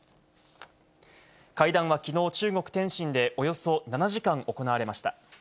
会談はきのう中国・天津でおよそ７時間行われました。